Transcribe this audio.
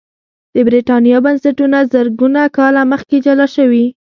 د برېټانیا بنسټونه زرګونه کاله مخکې جلا شوي